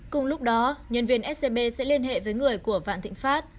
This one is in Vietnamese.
cùng lúc đó nhân viên scb sẽ liên hệ với người của vạn thịnh pháp